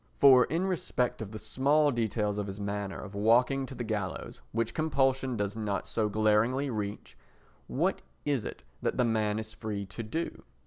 For in respect of the small details of his manner of walking to the gallows, which compulsion does not so glaringly reach, what is it that the man is free to do?